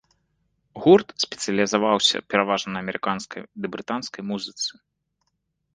Гурт спецыялізаваўся пераважна на амерыканскай ды брытанскай музыцы.